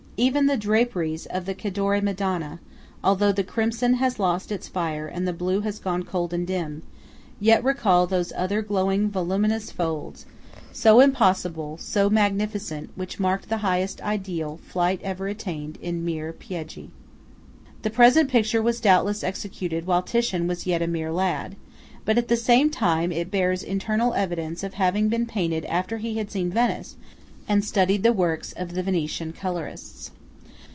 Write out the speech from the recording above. Even the draperies of the Cadore Madonna, although the crimson has lost its fire and the blue has gone cold and dim, yet recall those other glowing voluminous folds, so impossible, so magnificent, which mark the highest ideal flight ever yet attained in mere pieghi. The present picture was doubtless executed while Titian was yet a mere lad; but at the same time it bears internal evidence of having been painted after he had seen Venice and studied the works of the Venetian colourists.